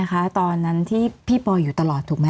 มีความรู้สึกว่ามีความรู้สึกว่า